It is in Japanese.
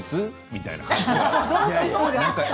みたいな感じが。